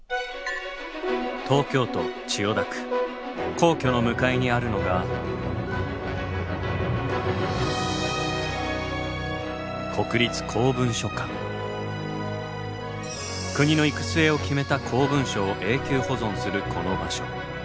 皇居の向かいにあるのが国の行く末を決めた公文書を永久保存するこの場所。